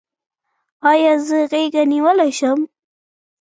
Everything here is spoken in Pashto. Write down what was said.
ایا زه غیږه نیولی شم؟